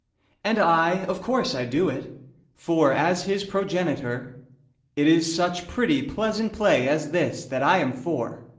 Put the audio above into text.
And I of course I do it; for, as his progenitor, It is such pretty, pleasant play as this that I am for!